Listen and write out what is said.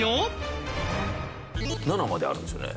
７まであるんですよね？